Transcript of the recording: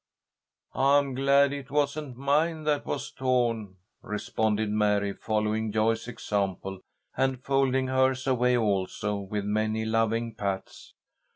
"I'm glad it wasn't mine that was torn," responded Mary, following Joyce's example and folding hers away also, with many loving pats.